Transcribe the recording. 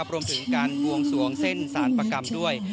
รวมถึงการบวงสวงเส้นสารประกรรมด้วย